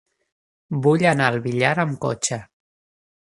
Vull anar al Villar amb cotxe.